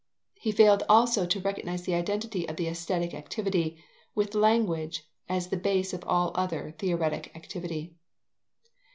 He failed also to recognize the identity of the aesthetic activity, with language as the base of all other theoretic activity.